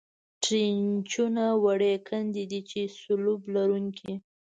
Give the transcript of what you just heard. ټرینچونه وړې کندې دي، چې په سلوپ لرونکې.